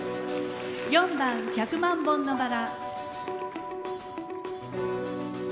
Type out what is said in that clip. ４番「百万本のバラ」。